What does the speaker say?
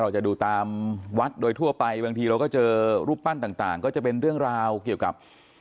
เราจะดูตามวัดโดยทั่วไปบางทีเราก็เจอรูปปั้นต่างก็จะเป็นเรื่องราวเกี่ยวกับ